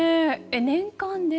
年間でね